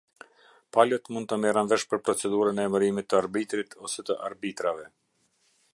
Palët mund të merren vesh për procedurën e emërimit të arbitrit ose të arbitrave.